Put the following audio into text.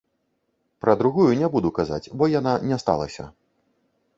Пра другую не буду казаць, бо яна не сталася.